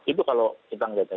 itu kalau kita lihatnya